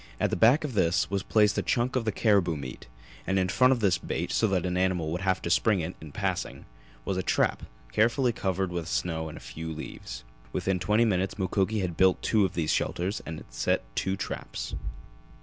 At the back of this was placed a chunk of the caribou meat, and in front of this bait, so that an animal would have to spring it in passing, was set a trap, carefully covered with snow and a few leaves. Within twenty minutes Mukoki had built two of these shelters and had set two traps.